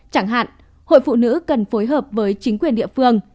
chẳng hạn hội phụ nữ cần phối hợp với chính quyền địa phương